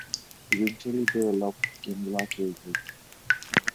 Eventually they eloped in Las Vegas.